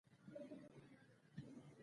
ښارونه د اقلیمي نظام یو ښه ښکارندوی دی.